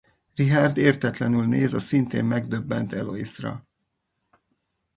Richard értetlenül néz a szintén megdöbbent Eloise-ra.